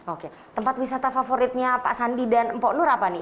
oke tempat wisata favoritnya pak sandi dan mpok nur apa nih